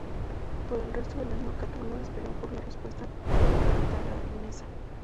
Para el resto del año, Cátulo esperó por la respuesta cartaginesa.